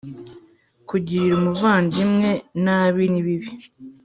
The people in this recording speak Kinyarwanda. kugirira umuvandimwe nabi nibibi.